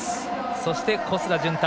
そして小須田潤太。